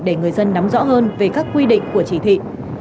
để người dân nắm rõ hơn về các quy định của chỉ thị